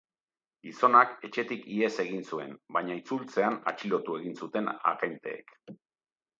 Gizonak etxetik ihes egin zuen baina itzultzean atxilotu egin zuten agenteek.